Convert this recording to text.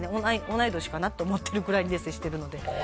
同い年かなと思ってるぐらいで接してるのであ